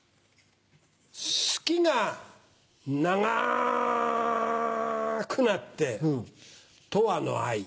「好き」が長くなってとわの愛。